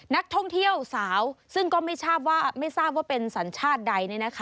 นักท่องเที่ยวสาวซึ่งก็ไม่ทราบว่าไม่ทราบว่าเป็นศรรษฐ์ใด